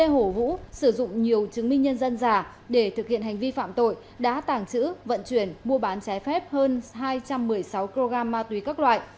hồ vũ sử dụng nhiều chứng minh nhân dân giả để thực hiện hành vi phạm tội đã tàng trữ vận chuyển mua bán trái phép hơn hai trăm một mươi sáu kg ma túy các loại